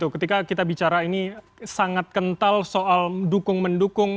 ketika kita bicara ini sangat kental soal dukung mendukung